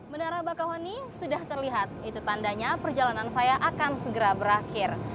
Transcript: menara bakahoni sudah terlihat itu tandanya perjalanan saya akan segera berakhir